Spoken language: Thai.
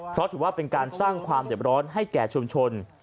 เพราะถือว่าเป็นการสร้างความเด็บร้อนให้แก่ชุมชน